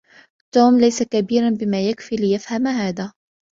توم ليس كبيراً بما يكفي ليفهم هذا.